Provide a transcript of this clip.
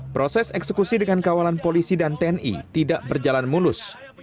proses eksekusi dengan kawalan polisi dan tni tidak berjalan mulus